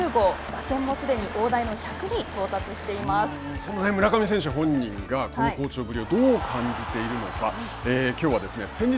打点もすでに大台の１００に到達その辺、村上選手本人がこの好調ぶりをどう感じているのか。